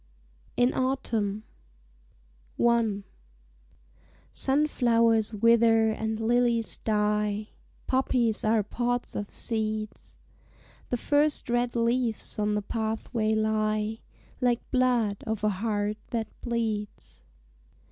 IN AUTUMN I Sunflowers wither and lilies die, Poppies are pods of seeds; The first red leaves on the pathway lie, Like blood of a heart that bleeds.